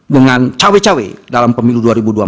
dengan cawe cawe dalam pemilu dua ribu dua puluh